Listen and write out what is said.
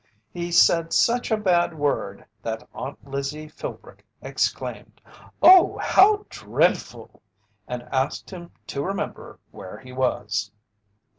He said such a bad word that Aunt Lizzie Philbrick exclaimed: "Oh, how dread ful!" and asked him to remember where he was.